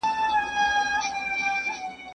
¬ يا غوا غيي، يا غړکي څيري.